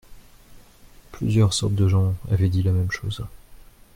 Plusieurs sortes de gens avaient dit la même chose.